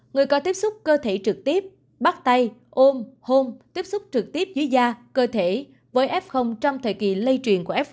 người có tiếp xúc cơ thể trực tiếp bắt tay ôm hôn tiếp xúc trực tiếp dưới da cơ thể với f trong thời kỳ lây truyền của f